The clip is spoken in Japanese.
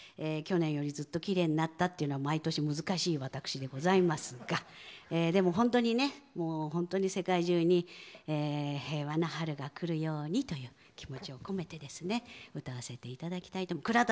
去年よりずっときれいになったって言うのは毎年、難しい私でございますがでも本当に、世界中に平和な春がくるようにという気持ちを込めて歌わせていただきたいと思います。